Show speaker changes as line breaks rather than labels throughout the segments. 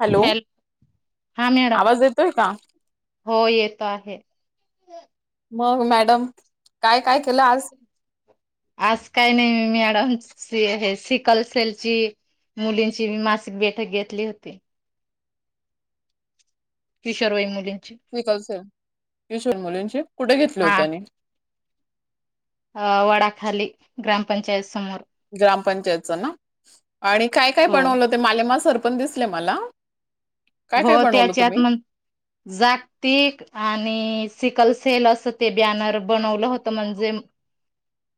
Hello
hello हा madam
आवाज येतोय का
हो येत आहे
मग मॅडम काय काय केलं आज
आज काही नाही मी अन हे सिकल असेलची मुलींची मी मासिक बैठक घेतली होती किशोरवईन मुली
िकल कशोर मुलींची कुठे घेतली होते अणि
अ वडाखाली ग्रामपंचायत समोर
ग्रामपंचायतच ना आणि काय काय
हो
पनवलं ते माले मा सर पण दिसले मला काय
हो
काय बनवलं
त्याच्यात
तुम्ही
जागतिक आणि सिकल्स थेल असं ते बॅनर बनवलं होतं म्हणजे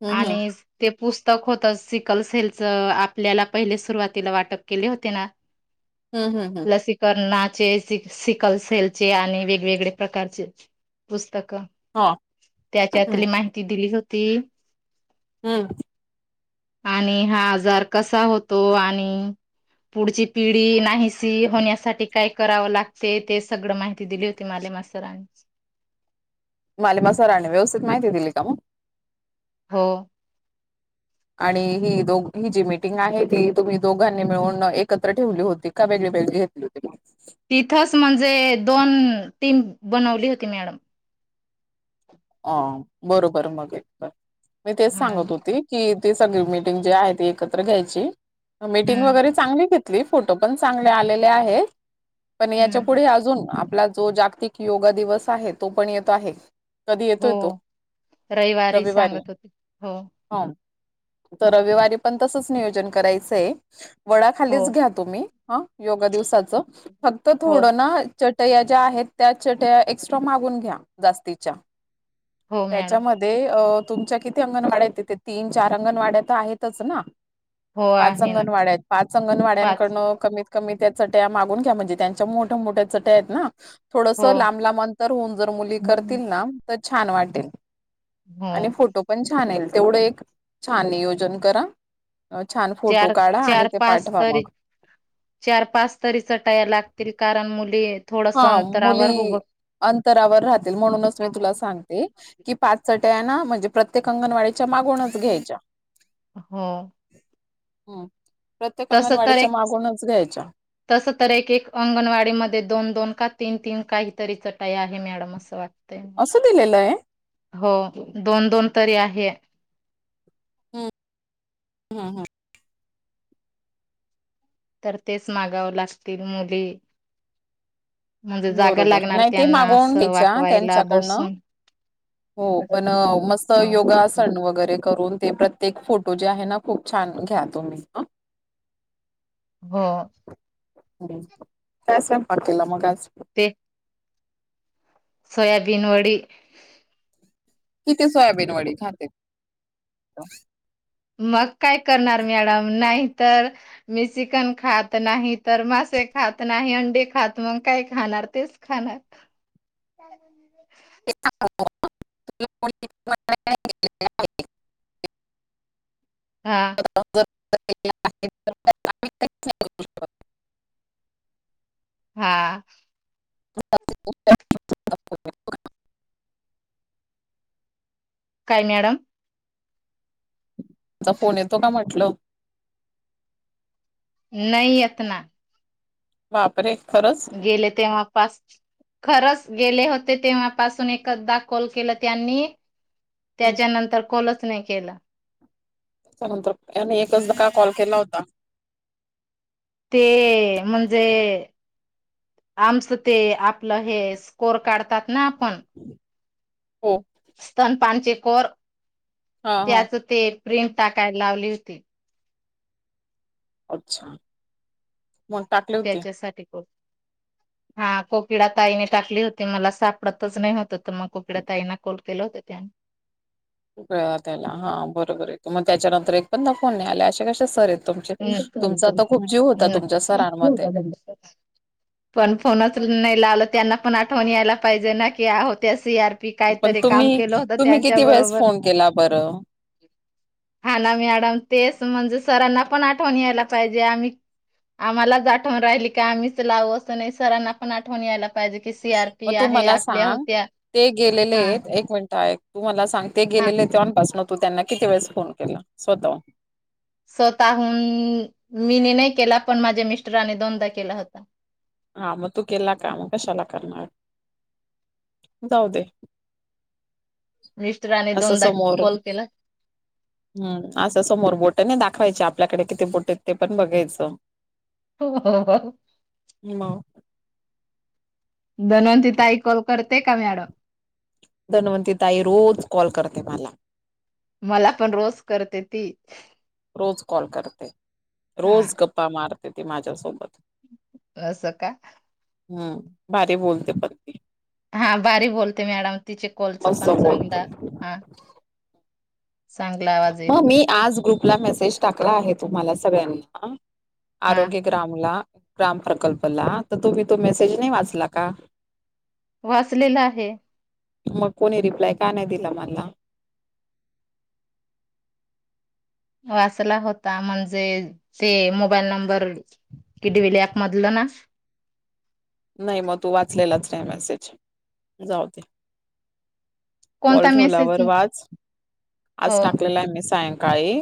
हम्म
आणि ते पुस्तक होत सिक कलसेलच आपल्याला पहिले सुरुवातीला वाटप केले होते ना
हम्म हम्म हम्म
अन्नाचे सिकलसेेलचे आणि वेगवेगळे प्रकारचेस का
हा हम्म
त्याच्यातली माहिती दिली होती
हम्म
आणि हा आजार कसा होतो आणि पुढची पिढी नाही सी होण्यासाठी काय करावं लागते ते सगळं माहिती दिली होती माले मातरांनी
माले मा सरांनी व्यवस्थित माहिती दिली का मग
हो
आणि ही दो ही जी मिीटिंग आहे ती तुम्ही दोघांनी मिळून एकत्र ठेवली होती का वेगळी वेगळी घेतली होती
तिथच म्हणजे दोन टीम बनवली होती मॅडम
अ बरोबर मग एक मी तेच
हा
सांगत होते की मीटिंगजी आहै ती एकत्र घायची मीटिंग
हम्म
व्यगरे चांगली घेतली फोटो पण चांगले आलेले आहेत पण याच्या
हम्म
पुढे अजन आपला जो जागतिक योगा दिवस आहे तो पण येतो आहे कधी
हो
येतोय तो? रविवारी.
सांगत होते हो
हो. तर रविवारी पण तसंच नियोजन करायचंय. वडा
हो
खालीच घ्या तुम्ही. हा योगा दिवसाचं, फक्त
हो
थोडं ना चटया ज्या आहेत, त्या चटया एक्स्ट्रा मागून घ्या जास्तीच्या. चट
हो मॅडम
त्याच्यामध्ये अ तुमच्या किती अंगणवाड्या आहेत तिथे, तीन चार अंगणवाड्या तर आहेतच ना.
हो
पाच
आहे ना
अंगणवाड्या आहेत, पाच
पाच
अंगणवाड्यांकडनं कमी कमी त्या चट्या मागून घ्या. म्हणजे त्यांच्या मोठ्या मोठ्या चट्या आहेत ना. थोडस
हो
लांब लांब अंतर होऊन जर मुली करतील ना, तर छान वाटेल.
हो
आणि फोटोपण छान येईल, तेवढं एक छान नियोजन करा. छान फोटो
चार
काढा आणि
चार
ते
पाच
पाठवा
तरी
मग
चार पाच तरी चटाया लागतील, कारण मुली थोडस
हा
अंतरावर
मुली
उभं
अंतरावर राहतील, म्हणूनच मी तुला सांगते की पाच चट्या ना, म्हणजे प्रत्येक अंगणवाडीच्या मागूनच घ्यायच्या.
हो.
हम्म. प्रत्येक
तसं तर
अंगणवाडीच्या
एक,
मागूनच घ्यायच्या
तस तर एक एक अंगणवाडी मध्ये दोन दोन का तीन तीन काहीतरी चटया आहे मॅडम असं वाट तंय.
असं दिलेलं आहे
हो दोन दोन तरी आहे.
हम्म हं हं.
तर तेच मागावं लागतील. मुली म्हणजे जागा
बरोबर
लागणार
नाही ते
त्यांना,
मागवून
असं
घ्यायच्या
वाकवायला
त्यांच्याकडनं
बसून.
हो, पण मस्त
हो
योगासन वगैरे करून ते प्रत्येक फोटो जे आहेना खूप छान घ्या तुम्ही हा.
व
काय स्वयंपाक केला मग आज?
ते सोयाबीन वडी.
किती सोयाबीन वडी खाते? त
मग काय करणार मॅडम, नाहीतर मी चिकन खात नाही तर म से खात नाही, अंडी खात मग काय खाणार? तेच खाणार.
[inaudible]
हा
[inaudible]
हा.
[inaudible]
काय मॅडम?
चा फोन येतो का म्हटलं?
नाही येतना.
बापरे. खरंच
गेले तेव्हा पा खरच गेले हो ते तेव्हापासून एकदा कॉल केला त्यांनी,
हं.
त्याच्यानंतर कॉलच नाही केला.
त्यानंतर, त्याने एकचदा कॉल केला होता?
ते म्हणजे आमचं ते आपलं हे स्कोर काढतात ना आपण.
हो.
स्तनपानचे कोर
हा हा
त्याच ते प्रिंट टाकाय लावली होती.
अच्छा. मग टाकले होते
त्याच्यासाठी कॉल. हा कोकिडा ताईने टाकली होती, मला सापडतच नाही होतं तर मग कोकिड्या ताईंना कॉल केलं होत त्याने.
त्याला हा बरोबर आहेेतो, मग त्याच्यानंतर एक पण फोन नाही, आल्या अशा कशा सर येत. तुमचा आता खूप जीव होता, तुमच्या सरांमध्ये.
पण फोनच नाही लावलं, त्यांना पण आठवण यायला पाहिजे, ना की आ होत. सी आर पी
पण
काहीतरी काम
तुम्ही
केलं होत,
तुम्ही
त्यांच्या
किती वेळेस
बरोबर.
फोन केला बरं
हा ना मॅडम तेच म्हणजे, सरांना पण आठवण यायला पाहिजे, आम्ही. आम्हालाच आठवण राहिली, का आम्हीच लावू असं नाही, सरांना पण आठवण यायला. पाहिजे की सीआरपी
मग तू
आहे
मला
आपल्या
सांग.
होत्या
ते गेलेले
हा
आहेत एक मिनिट आहे. तू मला सांगते,
हा
गेलेले तेव्हापासन तू त्यांना, किती वेळेस फोन केला स्वतः हून
स्वतःहून मीने नाही, केला पण माझ्या मिस्टराने दोंदा केला होता.
हा मग तू केला काम कशाला करणार. जाऊ दे.
मिस्टराने
असा
दोनदा
समोर
कॉल केला
हम्म असा समोर बोट. त्यांना दाखवायचे आपल्याकडे, किती बोट ते पण बघायचं.
हो हो हो हो.
ह म.
धनवंती ताई कॉल करते का मॅडम.
धनवंती ताई रोज कॉल करते मला.
मला पण रोज करते ती.
रोज कॉल करते,
हा
रोज गप्पा मारते ती माझ्यासोबत.
अस का.
हम्म भारी बोलते पणती.
हा बारी बोलते मॅडम तिचे कॉलच
मस्त
पण
बोलते
चांगलं हा. चांगला आवाज
मग
येतो
मी आज ग्रुपला मेसेज टाकला आहे, तुम्हाला सगळ्यांना.
हा
आरोग्य ग्रामला. ग्राम प्रकल्पला तर तुम्ही तो मेसेज नाही वाचला का.
वाचलेला आहे.
मग कोणी रिप्लाय का नाही दिला मला.
वाचला होता म्हणजे ते मोबाईल नंबर किडविल्यामध. पन्नास.
नाही मग तू वाचलेलाच नाही मेसेज जाऊ दे. कॉल
कोणता मेसेज
ठेवलावर वाच
हो
आज टाकलेला आहे मी सायंकाळी.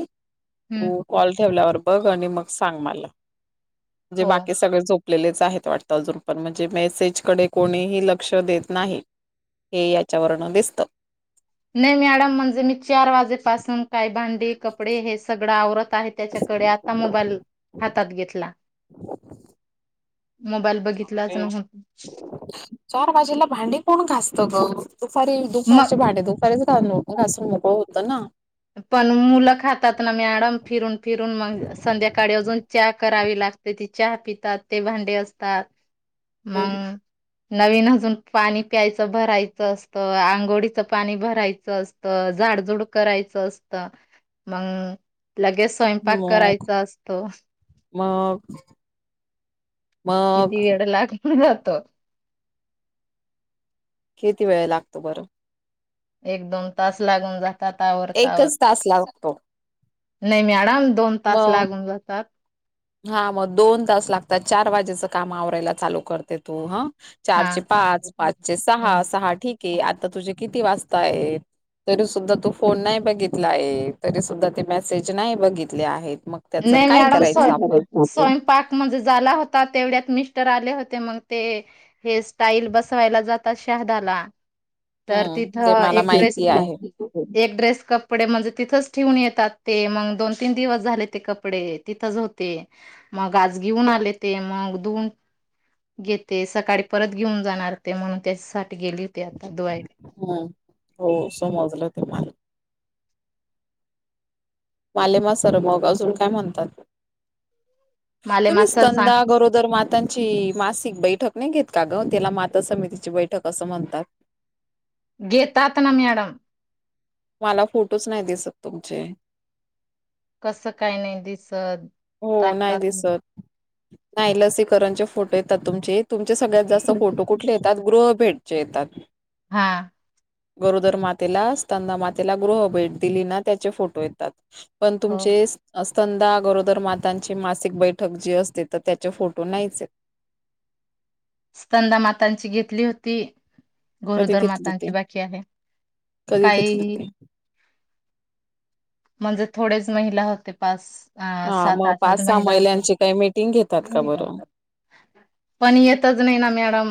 हम्म
तू कॉल ठेवल्यावर बघ आणि मग सांग मला, म्हजे
हो
बाकी सगळे झोप. आपल्यालेच आहेत वाटतं अजून. पण म्हणजे मेसेजकडे कोणीही लक्ष देत नाही, हे याच्यावरन दिसत.
नाही मॅडम म्हणजे मी चार वाजेपासून काय भांडी कपडे हे सगळं आवरत. आहे त्याच्याकडे आता मोबाईलऽ हातात घेतला. मोबाईल बघितलाच नव्हता.
चार बाजीला भांडी कोण घासतऽऽ दुपारी,
मग
दुपारचे भांडे दुपारीच घासून मोकळ होतो ना.
पण मुलं खातात ना मॅडम फिरून फिरून मग संध्याकाळी अजून च्या करावी लागऽऽ लागते तीचहा पितात, ते भांडे असतात, मंगर्धङ नवीन अजून पाणी प्यायचं भरायचं असतं,, आंघोळीचं पाणी भरायचं असतंऽऽ झाडझुड करायऽऽ च असत मंग लगेच स्वयंपाक करायचा असतो.
मऽऽग
किती वेळा लाख म्हण जातो
किती वेळ लागतो बरंऽऽ
एक, दोन तास लागून जातात
एकच
आवरतावरऽऽ
तास लागतो.
नाही मॅऽऽडम
मग,, हा मग दोन तास लाागतात चार वाजऽऽ ज्याचं काम आवरायला चालू करते तू हं.
हा
चारचे पाच, पाचचे सहा, सहा, ठीके आता तुझे किती वाजता आहेत तरी सुद्धा तू फोन नाही बघितला आहे,, तरी सुद्धा ते मेसेज नाही बघित ले आहेत.
नाही मॅडम स्वय स्वयंपाक माजा झाला होता तेवढ्यात मि तर आले होते,, मग ते हे, स्टाईल बसवायला जातात शहादाला. तर
हम्म ते
तिथं
मला
एक ड्रेस
माहिती आहे
- - एक ड्रेस कपडे, म्हणजे तिथंच ठेवून येतात, ते मग दोन, तीन दिवस झाले ते कपडे तिथंच हो ते,, मग आज घेऊन आले ते मग धुऊन घेते. सकाळी परत घेऊन जाणार ते म्हणून त्याच्यासाठी गेली होती. आता धुवायला.
हम्, हो समजलं ते मला मालेमा सर मग अजून काय म्हणतात?
माले
तुम्ही
मास्तर सांग
स्तंनदा गरोदर मात त्यांची मासिक बैठक नाही घेत का ग,, त्याला माता समितीची बैठक असं म्हणतात.
घेतातना मॅडम.
मला फोटोच नाही दिसत तुमचे.
कसं काय नाई दिसत.
हो नाही
टाकतात
दिसत,, नाही लसीकरणचे फोटो येतात तुमचे चे सगळ्यात जास्त फोटो कुठले येतात, गृह भेटचे येतात.
हा.
गरोदर मातेला स्तनदा मातेला गृह भेट दिली ना,, त्याचे फोटो येतात. पण
हो.
तुमचे स्तंनदा गरो - - दरमातांची मासिक बैठक जी असते. तर त्याचे फोटो नाहीचेत.
स्कंनदा मातांची घेतली होती.
कधी
गोरोदर
घेतली होती
मातांची बाकी आहे,,
कधी घेतली
काहीही
होती
म्हणजे थोडेच महिला होते पास, अ
हा
सात,
मग
आठ
पाच
हज
सहा
महिला होत्या.
महिलांची काही मीटिंग घेतात का बरं
पण येतच नाही नामॅडम.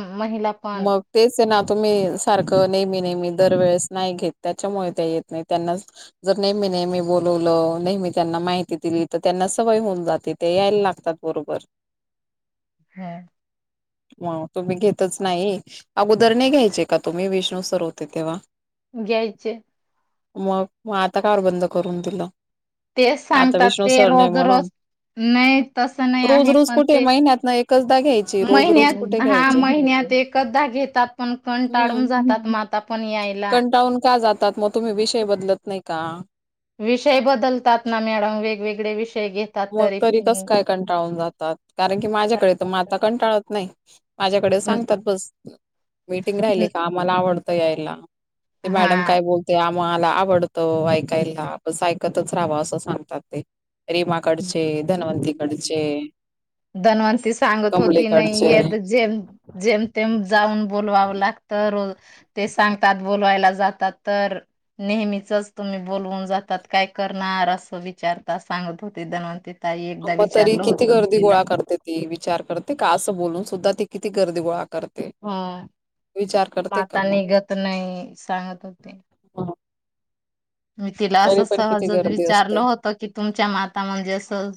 मग तेच ना तुम्ही सारखं नेहमी, नेहमी दरवेळेस नाही घेत, त्याच्यामुळे त्या येत नाहीत. त्यांना जर नेहमी, नेहमी बोलवलं नेहमी त्यांना माहिती दिली तर त्यांना सवय होऊन जाते ते यायला लागतात बरोबर.
हा.
म तुम्ही घेतच नाही,, अगोदर नाही घ्यायचे का तुम्ही विष्णू सर होते तेव्हा?
घ्यायचे
मग,, मग आता का बर बंद करून दिलं?
तेऽच
आता
सांगतात
विष्णू
ते,
सर नाही
रोज,
म्हणून
रोज नाही, तस नाही
रोज
आहे,,
रोज
पण
कुठे
ते,
महिन्यात ना एकचदा घ्यायची रोज रोज
महिन्यात,
कुठे
हा महि
घ्यायचे
महिन्यात एकदा घेतात. पण कण
हम्म
टाळून जातात माता पण यायला.
तात मग तुम्ही विषय बदलत नाही का?
विषय बदलतात ना मॅडम वेगवेगळे विषय घेतात.
मग
तरी
कस
पण
काय कंटाळून कारण की माझ्याकडे तर माता कंटाळत नाहीत. माझ्याकडे सांगतात बस मीटिंग राहिली का मला आवडतं यायला. ते मॅडम
हा
काय बोलते मला आवडतं ऐकायला बस ऐकतच राहाव असं सांगतात ते. रीमाकडचे, धनवंती कडचे,
धन्वंती सांगत होती नाही य जे - जेमतेम जाऊन बोलवावं लागतं रोज ते सांगतात बोलवायला जातात तर नेहमीचच तुम्ही बोलवून जातात. काय करणार असं विचारता. सांगत हो ते दान ते - -
अ तरी किती गर्दी गोळा करते ती विचार करते का? असं बोलून सुद्धा ती किती गर्दी गोळा करत
हा
का
माता
मग
निघत नाही, सांगत होते
हं,
मी तिला
तरी
असं
पण किती
सहजच
गर्दी
विचारल
असते
होत, की तुमच्या माता म्हणजे असं,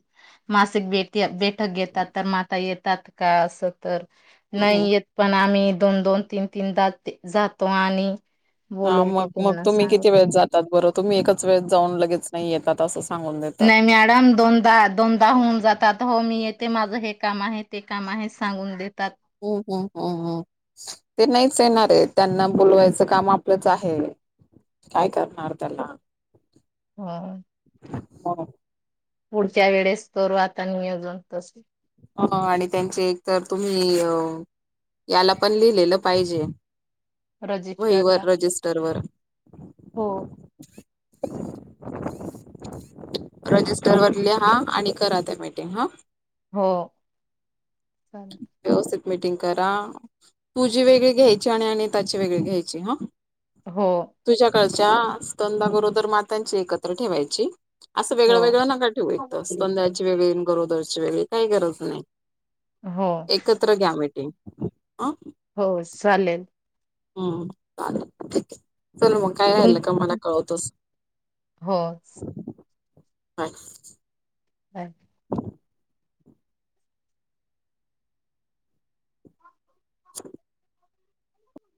मासिक डेट बैठक घेतात, तर माता येतात का? अस तर
हम्म
नाही येत पण आणि दोन-दोन तीन-तीन तास, जातो आणि
हा
बोलवतो
मग मग
त्यांना
तुम्ही किती
सांगतो
वेळेेत जातात बरं तुम्ही एकच वेळेेत जाऊन लगेच नाही येतात असं सांगून देतात.
नाही मॅडम, दोनदा दोनदा होऊन जातात हो मी येते माझं हे काम आहे, ते काम आहे, सांगून देतात
हम्म. हम्म. हम्म. हम् ते नाहीच येणारे त्यांना बोलवायचं काम आपलंच आहे. काय करणार त्याला.
हम.
ह
पुढच्या वेळेस करू आता [unintelligible]
हम, आणि त्यांचे एक तर तुम्ही अ याला पण लिहिलेलं पाहिजे वहीवर,
रजिस्टरला
रजिस्टर वर.
हो
[unintelligible] [inaudible] रजिस्टरवर लिहा, आणि करा त्या मीटिंग हा.
हो. चालेल.
व्यवस्थित मीटिंग करा, तुझी वेगळी घ्यायची आणि अनिताची वेगळी घ्यायची हं.
हो.
खालच्या स्कंदा गरोदर मातांची एकत्र ठेवायची असं वेगळं
हो
वेगळं नका ठेवू, एकेत स्कंदची वेगळी, आणि गरोदरची वेगळी, काही गरज नाही.
हो
एकत्र घ्या मीटिंग. अ
हो, चालेल.
हम्म, चालेल. ठीके. चल मग काय
तुम
राहील तर मला कळतोस
हो
हा.
[unintelligible] [inaudible]
[unintelligible] [inaudible]